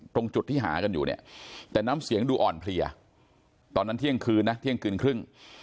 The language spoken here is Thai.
ตรงจุดที่หากันอยู่เนี่ยแต่น้ำเสียงดูอ่อนเพลียตอนนั้นเที่ยงคืนนะเที่ยงคืนครึ่ง